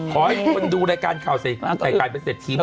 ขอให้คนดูรายการไข่กาลเป็นแซทมี่ใหม่